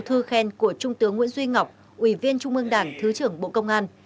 thư khen của trung tướng nguyễn duy ngọc ủy viên trung ương đảng thứ trưởng bộ công an